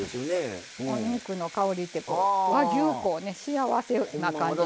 お肉の香りって和牛香ね幸せな感じ。